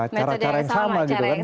cara cara yang sama gitu kan